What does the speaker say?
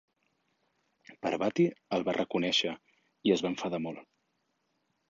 Parvati el va reconèixer i es va enfadar molt.